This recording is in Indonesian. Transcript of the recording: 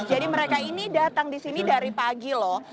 jadi mereka ini datang di sini dari pagi loh